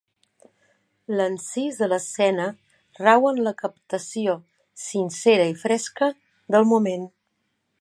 L'encís de l'escena rau en la captació, sincera i fresca, del moment.